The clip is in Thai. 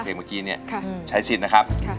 เพลงเมื่อกี้ใช้สิทธิ์นะครับ